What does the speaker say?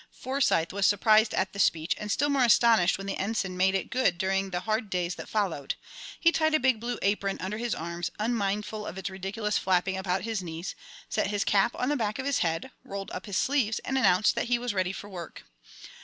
Forsyth was surprised at the speech, and still more astonished when the Ensign made it good during the hard days that followed. He tied a big blue apron under his arms, unmindful of its ridiculous flapping about his knees, set his cap on the back of his head, rolled up his sleeves, and announced that he was ready for work.